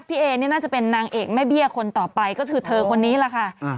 เอนี่น่าจะเป็นนางเอกแม่เบี้ยคนต่อไปก็คือเธอคนนี้แหละค่ะ